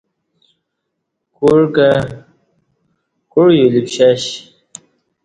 کوع کہ کوع یُلی پشش